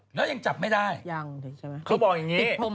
ไปแล้วแล้วอย่างจับไม่ได้ช่างใช่ไหม